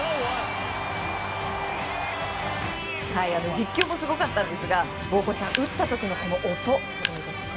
実況もすごかったんですが大越さん、打った時の音もすごいですよね。